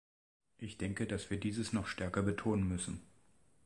Ich denke, dass wir dieses noch stärker betonen müssen.